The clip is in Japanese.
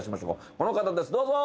この方ですどうぞ。